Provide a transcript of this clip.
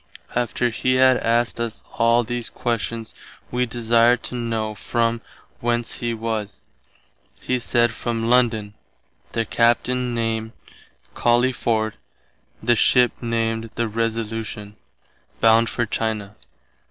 After he had asked us all these questions wee desired to know from whence he was. He said from London, their Captain name Collyford, the ship named the Resolution, bound for China.